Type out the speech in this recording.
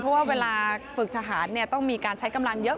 เพราะว่าเวลาฝึกทหารต้องมีการใช้กำลังเยอะ